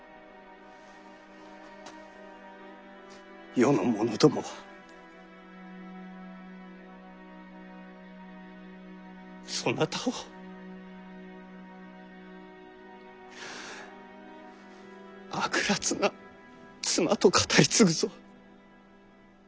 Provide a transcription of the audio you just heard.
世の者どもはそなたを悪辣な妻と語り継ぐぞ。